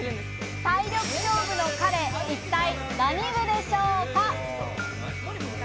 体力勝負の彼は一体何部でしょうか？